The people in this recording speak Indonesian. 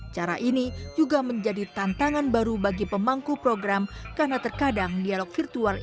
cara ini juga menjadi tantangan baru bagi pemangku program karena terkadang dialog virtual